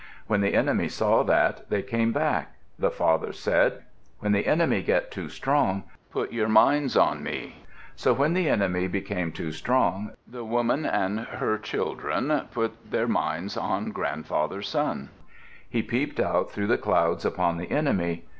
When the enemy saw that, they came back. The father said, "When the enemy get too strong, put your minds on me." So when the enemy became too strong, the woman and her children put their minds on Grandfather Sun. He peeped out through the clouds upon the enemy.